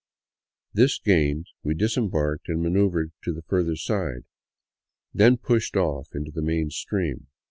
This gained, we disembarked and manoeuvered to the further side, then pushed off into the main stream.